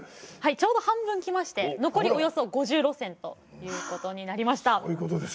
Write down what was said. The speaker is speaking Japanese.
ちょうど半分きまして残りおよそ５０路線ということになりました。